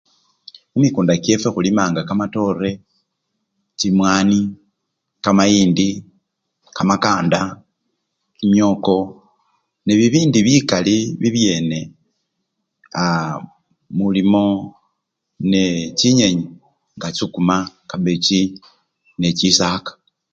Mumikunda kyefwe khulimanga kamatore, chimwani, kamayindi, kamakanda, kimyoko nebibindi bikali bibyene aa mulimo nechinyenyi nga chisukuma, kabechi nechisaka.